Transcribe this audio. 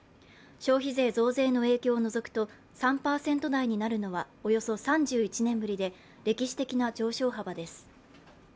消費税増税の影響を除くと３％内になるのはおよそ３１年ぶりで歴史的な上昇幅です。